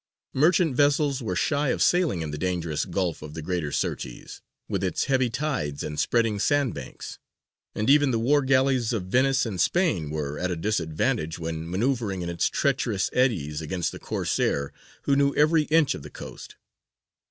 Merchant vessels were shy of sailing in the dangerous Gulf of the Greater Syrtes with its heavy tides and spreading sandbanks, and even the war galleys of Venice and Spain were at a disadvantage when manoeuvring in its treacherous eddies against the Corsair who knew every inch of the coast.